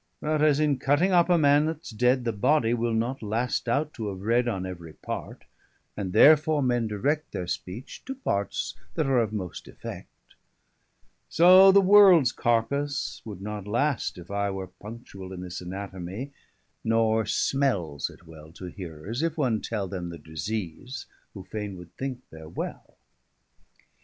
_] But as in cutting up a man that's dead, 435 The body will not last out, to have read On every part, and therefore men direct Their speech to parts, that are of most effect; So the worlds carcasse would not last, if I Were punctuall in this Anatomy; 440 Nor smels it well to hearers, if one tell Them their disease, who faine would think they're well.